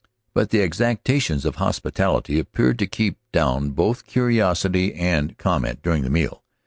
But the exactions of hospitality appeared to keep down both curiosity and comment during the meal.